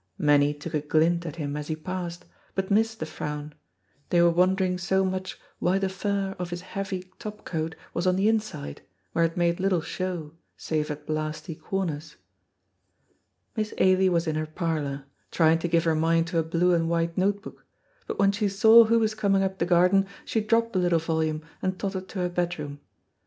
Many took a glint at him as he passed, but missed the frown, they were wondering so much why the fur of his heavy top coat was on the inside, where it made little show, save at blasty corners. Miss Ailie was in her parlor, trying to give her mind to a blue and white note book, but when she saw who was coming up the garden she dropped the little volume and tottered to her bedroom.